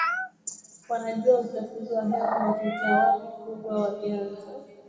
wanajua uchafuzi wa hewa unatokea wapi ukubwa wa vyanzo